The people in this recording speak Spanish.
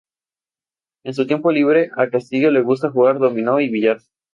En su tiempo libre, a "Castillo" le gusta jugar dominó y billar.